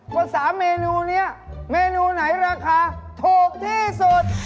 ว่า๓เมนูนี้เมนูไหนราคาถูกที่สุด